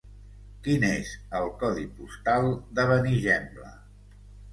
Quin és el codi postal de Benigembla?